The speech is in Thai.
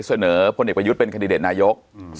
เสนอคนเด็กประยุทธ์เป็นคาดิเดชนายกอืม